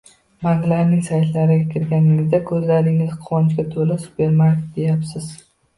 Banklarning saytlariga kirganingizda, ko'zlaringiz quvonchga to'ladi, supermarket deyapsiz